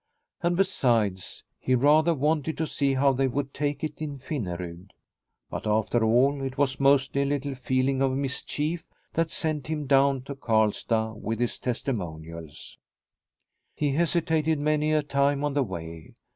And besides, he rather wanted to see how they would take it in Finnerud. But, after all, it was mostly a little feeling of mischief that sent him down to Karlstad with his testimonials. The Pastor from Finland 155 He hesitated many a time on the way.